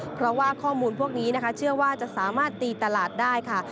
เพราะว่าข้อมูลพวกนี้นะคะเชื่อว่าจะสามารถตีตลาดได้ค่ะ